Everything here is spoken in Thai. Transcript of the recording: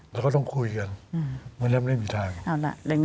แล้วก็ต้องคุยกันวันนี้ไม่มีทาง